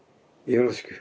よろしく。